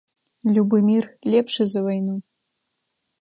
Любы мір лепшы за вайну.